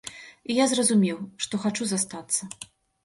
І я зразумеў, што хачу застацца.